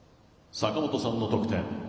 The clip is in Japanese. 坂本さんの得点。